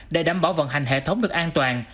để đảm bảo vận hành hệ thống được an toàn